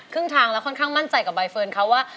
ทางแล้วค่อนข้างมั่นใจกับใบเฟิร์นเขาว่า